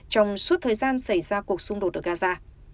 trong suốt thời gian xảy ra cuộc xung đột ở gaza